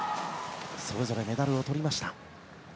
それぞれメダルをとりました。